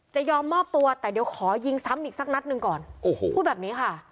จะยอมมอบตัวแต่เดี๋ยวขอยิงซ้ำอีกสักนัดหนึ่งก่อนโอ้โหพูดแบบนี้ค่ะ